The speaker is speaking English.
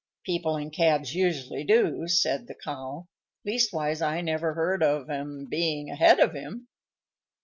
"People in cabs usually do," said the Cow; "leastwise I never heard of any of 'em being ahead of him."